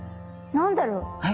何だろう？